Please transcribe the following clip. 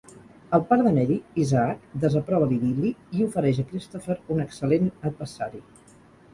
El pare de Mary, Isaac, desaprova l'idil·li i ofereix a Christopher un excel·lent adversari.